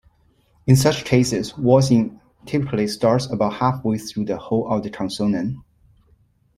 In such cases, voicing typically starts about halfway through the hold of the consonant.